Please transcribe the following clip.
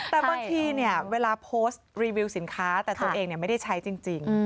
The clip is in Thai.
แต่บางทีเนี่ยเวลาโพสต์รีวิวสินค้าแต่ตัวเองไม่ได้ใช้จริง